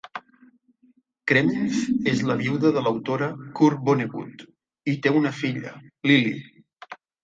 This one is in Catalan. Krementz és la vídua de l'autora Kurt Vonnegut i té una filla, Lily.